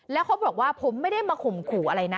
แล้วเขาบอกว่าผมไม่ได้มาข่มขู่อะไรนะ